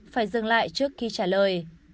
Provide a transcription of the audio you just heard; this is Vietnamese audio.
phải dừng lại trước khi trả lời